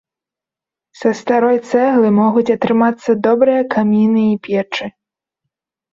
Са старой цэглы могуць атрымацца добрыя каміны і печы.